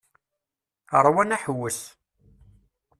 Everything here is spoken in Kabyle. Rwan aḥewwes.